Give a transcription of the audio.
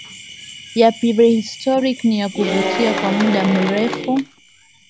ya prehistoric ni ya kuvutia kwa muda mrefu